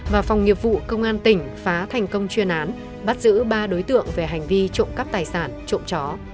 và phòng nghiệp vụ công an tỉnh phá thành công chuyên án bắt giữ ba đối tượng về hành vi trộm cắp tài sản trộm chó